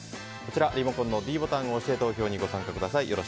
リモコンのｄボタンを押して投票にご参加ください。